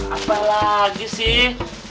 apa lagi sih